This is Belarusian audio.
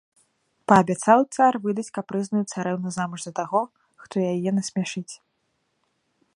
Паабяцаў цар выдаць капрызную царэўну замуж за таго, хто яе насмяшыць.